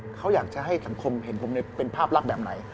เขาอยากจะให้สังคมเห็นผมเป็นภาพลักษณ์แบบไหน